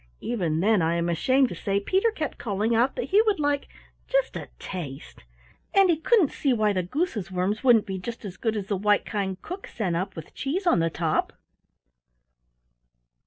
Even then, I am ashamed to say, Peter kept calling out that he would like "just a taste", and he didn't see why the Goose's worms wouldn't be just as good as the white kind cook sent up with cheese on the top!